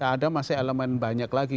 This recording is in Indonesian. ada masih elemen banyak lagi